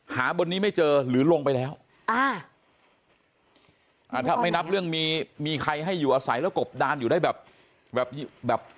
บนนี้ไม่เจอหรือลงไปแล้วอ่าอ่าถ้าไม่นับเรื่องมีมีใครให้อยู่อาศัยแล้วกบดานอยู่ได้แบบแบบ